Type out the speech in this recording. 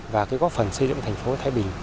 và góp phần xây dựng thành phố thế bình